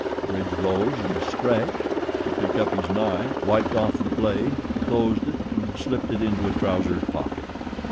Bridge rose and stretched. He picked up his knife, wiped off the blade, closed it and slipped it into a trousers' pocket.